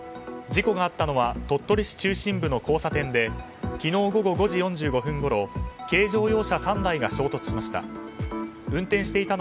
事故があったのは鳥取市中心部の交差点で昨日午後５時４５分ごろ軽乗用車３台が衝突しました。